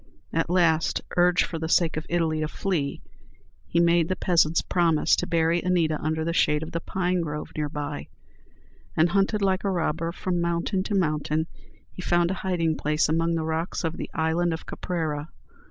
At last, urged for the sake of Italy to flee, he made the peasants promise to bury Anita under the shade of the pine grove near by, and, hunted like a robber from mountain to mountain, he found a hiding place among the rocks of the Island of Caprera.